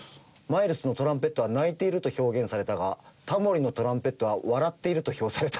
「マイルスのトランペットは泣いていると表現されたがタモリのトランペットは笑っていると評された」